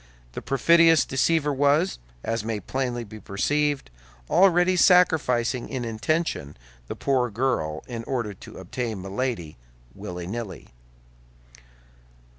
The perfidious deceiver was, as may plainly be perceived, already sacrificing, in intention, the poor girl in order to obtain Milady, willy nilly.